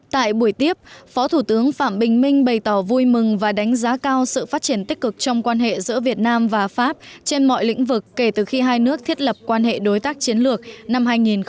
tại buổi tiếp phó thủ tướng phạm bình minh bày tỏ vui mừng và đánh giá cao sự phát triển tích cực trong quan hệ giữa việt nam và pháp trên mọi lĩnh vực kể từ khi hai nước thiết lập quan hệ đối tác chiến lược năm hai nghìn một mươi ba